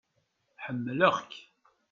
Ḥemlaɣ-k.